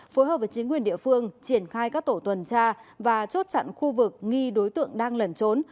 phối hợp với chính quyền địa phương triển khai các tổ tuần tra và chốt chặn khu vực nghi đối tượng đang lẩn trốn